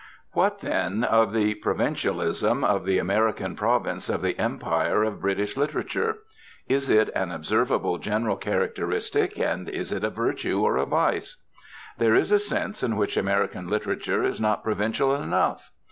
What, then, of the "provincialism" of the American province of the empire of British literature? Is it an observable general characteristic, and is it a virtue or a vice? There is a sense in which American literature is not provincial enough.